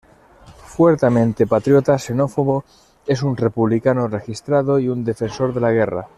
Fuertemente patriota, xenófobo, es un republicano registrado y un defensor de la guerra.